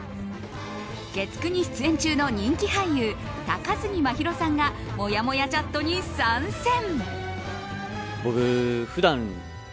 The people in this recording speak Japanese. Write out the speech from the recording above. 月９に出演中の人気俳優高杉真宙さんがもやもやチャットに参戦。